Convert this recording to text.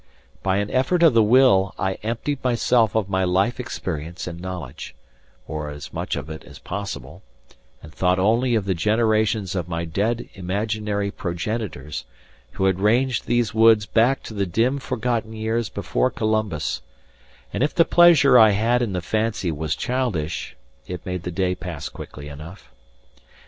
By an effort of the will I emptied myself of my life experience and knowledge or as much of it as possible and thought only of the generations of my dead imaginary progenitors, who had ranged these woods back to the dim forgotten years before Columbus; and if the pleasure I had in the fancy was childish, it made the day pass quickly enough.